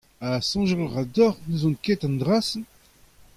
Ha soñjal a ra deoc'h n'ouzon ket an dra-se ?